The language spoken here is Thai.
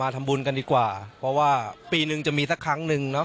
มาทำบุญกันดีกว่าเพราะว่าปีหนึ่งจะมีสักครั้งหนึ่ง